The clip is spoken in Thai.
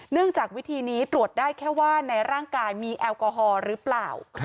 จากวิธีนี้ตรวจได้แค่ว่าในร่างกายมีแอลกอฮอล์หรือเปล่า